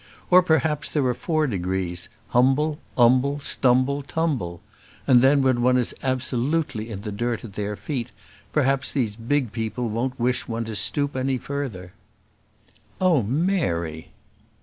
Or perhaps there are four degrees; humble, umble, stumble, tumble; and then, when one is absolutely in the dirt at their feet, perhaps these big people won't wish one to stoop any further." "Oh, Mary!"